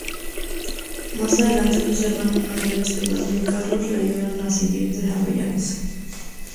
Más adelante sus hermanos mayores Fernando y Carlos le ayudaron a seguir desarrollándose.